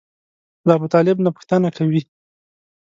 له ابوطالب نه پوښتنه کوي.